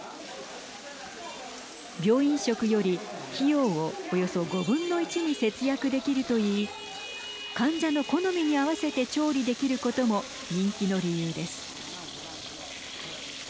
病院食より費用をおよそ５分の１に節約できるといい患者の好みに合わせて調理できることも人気の理由です。